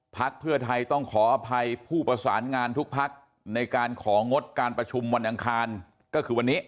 พักเพื่อไทยต้องขออภัยผู้ประสานงานทุกพักในการของงดการประชุมวันอังคารก็คือวันนี้